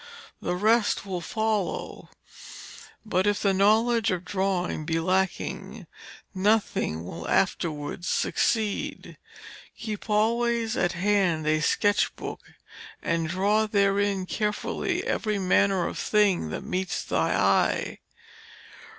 The rest will follow; but if the knowledge of drawing be lacking, nothing will afterwards succeed. Keep always at hand a sketch book, and draw therein carefully every manner of thing that meets thy eye.'